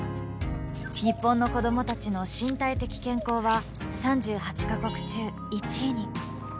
日本の子どもたちの身体的健康は３８カ国中、１位に。